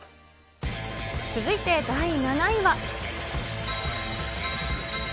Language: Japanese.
続いて第７位は。